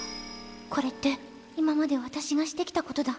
これって今まで私がしてきたことだ。